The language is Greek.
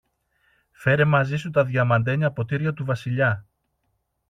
Φέρε μαζί σου τα διαμαντένια ποτήρια του Βασιλιά